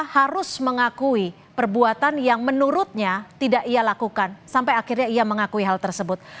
harus mengakui perbuatan yang menurutnya tidak ia lakukan sampai akhirnya ia mengakui hal tersebut